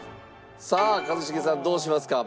さあ一茂さんどうしますか？